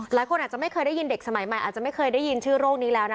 หลายคนอาจจะไม่เคยได้ยินเด็กสมัยใหม่อาจจะไม่เคยได้ยินชื่อโรคนี้แล้วนะ